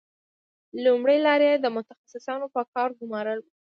لومړۍ لار یې د متخصصانو په کار ګومارل وو